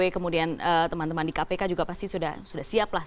kemudian teman teman di kpk juga pasti sudah siap lah